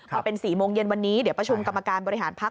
มาเป็น๔โมงเย็นวันนี้เดี๋ยวประชุมกรรมการบริหารพักษ